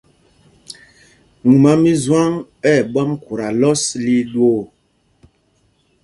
Mumá mí Zwâŋ ɛ̂ ɓwâm khuta lɔs lil ɗwoo.